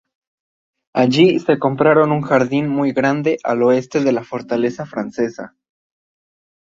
Allí se compraron un jardín muy grande al oeste de la fortaleza francesa.